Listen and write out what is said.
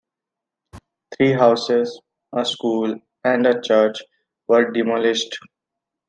Three houses, a school and a church were demolished.